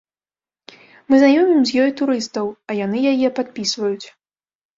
Мы знаёмім з ёй турыстаў, а яны яе падпісваюць.